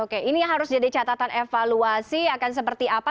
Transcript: oke ini harus jadi catatan evaluasi akan seperti apa